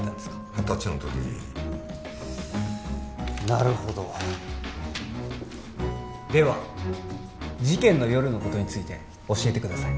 二十歳のときなるほどでは事件の夜のことについて教えてください